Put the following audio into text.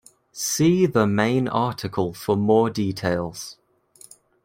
See the main article for more details.